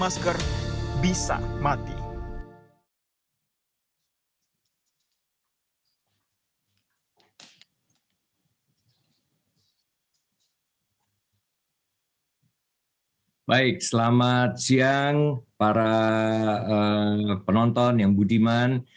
selamat siang para penonton yang budiman